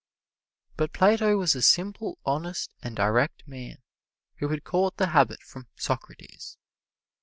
But Plato was a simple, honest and direct man: he had caught the habit from Socrates.